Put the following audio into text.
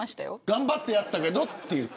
頑張ってやったけどという。